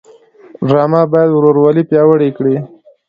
ډرامه باید ورورولي پیاوړې کړي